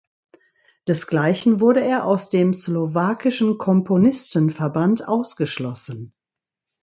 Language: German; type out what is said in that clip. Desgleichen wurde er aus dem Slowakischen Komponistenverband ausgeschlossen.